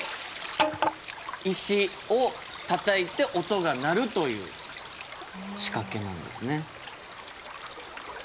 石をたたいて音が鳴るという仕掛けなんですね。